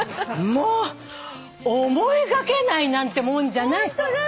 もう思いがけないなんてもんじゃない。